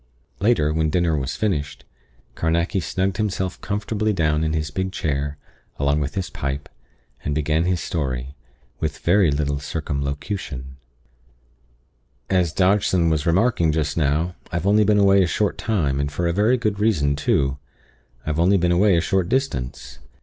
Later, when dinner was finished, Carnacki snugged himself comfortably down in his big chair, along with his pipe, and began his story, with very little circumlocution: "As Dodgson was remarking just now, I've only been away a short time, and for a very good reason too I've only been away a short distance.